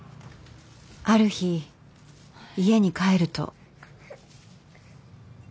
ある日家に帰ると。